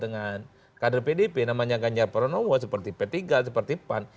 dengan kader pdip namanya ganjar pranowo seperti p tiga seperti pan